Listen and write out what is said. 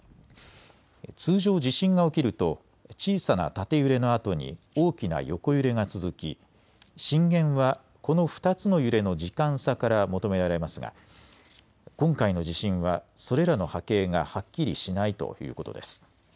通常、地震が起きると小さな縦揺れのあとに大きな横揺れが続き震源はこの２つの揺れの時間差から求められますが今回の地震はそれらの波形がはっきりしないということです。